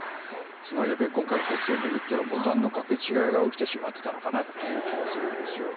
つまり、今回の国葬を巡ってはボタンの掛け違いが起きてしまってたのかなって気がするんですよ。